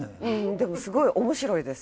でもすごい面白いです。